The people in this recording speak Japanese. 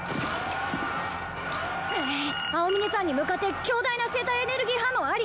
えぇ青峰山に向かって強大な生体エネルギー反応あり。